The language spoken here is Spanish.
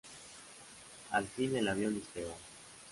Al fin el avión despegó.